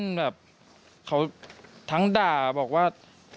มันแบบเขาทั้งด่าบอกว่า